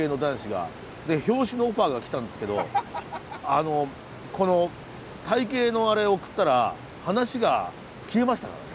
で表紙のオファーがきたんですけどあの体形のあれ送ったら話が消えましたからね。